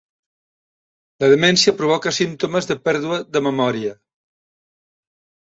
La demència provoca símptomes de pèrdua de memòria.